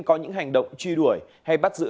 có những hành động truy đuổi hay bắt giữ